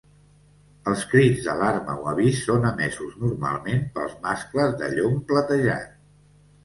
Els crits d'alarma o avís són emesos normalment pels mascles de llom platejat.